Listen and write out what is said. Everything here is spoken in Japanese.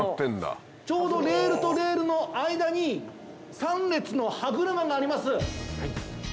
ちょうどレールとレールの間に３列の歯車があります。